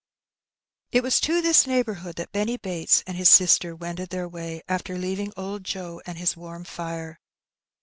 It was to this neighbourhood that Benny Bates and his sister wended their way, after leaving old Joe and his warm fire.